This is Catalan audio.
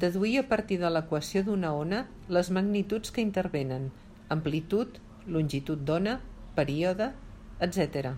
Deduir a partir de l'equació d'una ona les magnituds que intervenen: amplitud, longitud d'ona, període, etcètera.